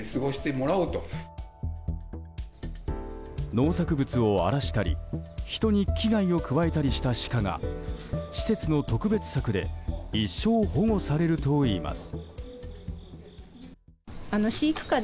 農作物を荒らしたり人に危害を加えたりしたシカが施設の特別柵で一生保護されるといいます。